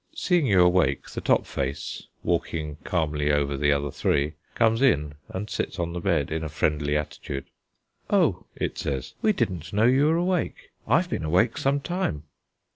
Seeing you awake, the top face, walking calmly over the other three, comes in and sits on the bed in a friendly attitude. "Oh!" it says, "we didn't know you were awake. I've been awake some time."